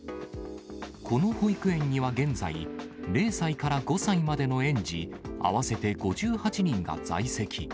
この保育園には現在、０歳から５歳までの園児合わせて５８人が在籍。